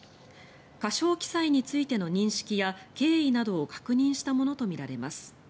過少記載についての認識や経緯などを確認したものとみられます。